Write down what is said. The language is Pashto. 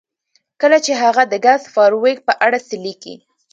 کله چې هغه د ګس فارویک په اړه څه لیکي